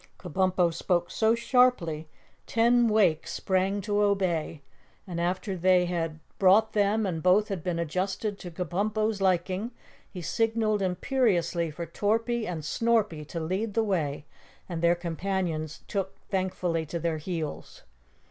Kabumpo spoke so sharply ten Wakes sprang to obey, and after they had brought them and both had been adjusted to Kabumpo's liking, he signaled imperiously for Torpy and Snorpy to lead the way, and their companions took thankfully to their heels.